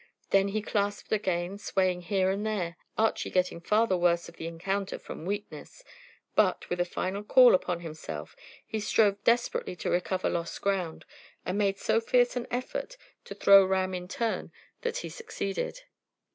Then they clasped again, swayed here and there, Archy getting far the worse of the encounter from weakness, but, with a final call upon himself, he strove desperately to recover lost ground, and made so fierce an effort to throw Ram in turn, that he succeeded.